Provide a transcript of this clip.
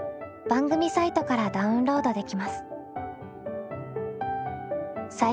番組サイトからダウンロードできます。